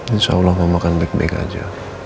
insya allah mama akan baik baik aja